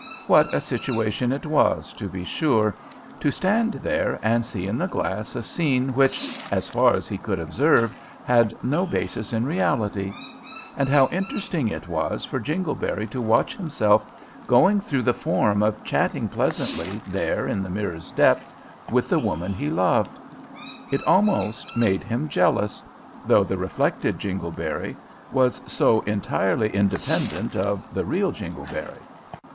What a situation it was, to be sure, to stand there and see in the glass a scene which, as far as he could observe, had no basis in reality; and how interesting it was for Jingleberry to watch himself going through the form of chatting pleasantly there in the mirror's depths with the woman he loved! It almost made him jealous, though, the reflected Jingleberry was so entirely independent of the real Jingleberry.